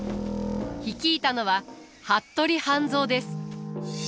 率いたのは服部半蔵です。